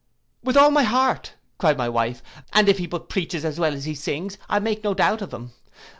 'With all my heart,' cried my wife; 'and if he but preaches as well as he sings, I make no doubt of him.